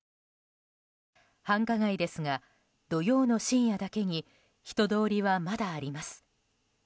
繁華街ですが、土曜の深夜だけに人通りはまだあります。